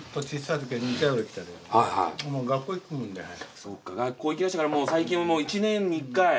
そうか学校行きだしたからもう最近は１年に１回。